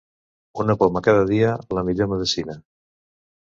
Una poma cada dia, la millor medecina.